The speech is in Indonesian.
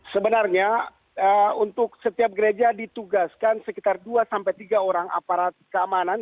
sebenarnya untuk setiap gereja ditugaskan sekitar dua tiga orang aparat keamanan